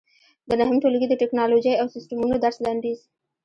د نهم ټولګي د ټېکنالوجۍ او سیسټمونو درس لنډیز